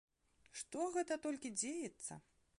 Што гэта толькі дзеецца!